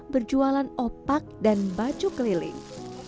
berjualan opak dan baju keliling